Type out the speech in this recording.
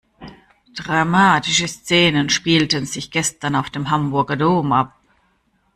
Dramatische Szenen spielten sich gestern auf dem Hamburger Dom ab.